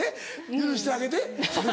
許してあげて。